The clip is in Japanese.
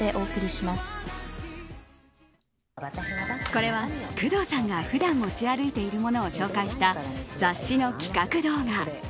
これは工藤さんが普段持ち歩いているものを紹介した雑誌の企画動画。